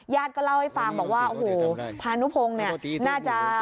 ญาติก็เล่าให้ฟังบอกว่าพานุพงศ์น่าจะ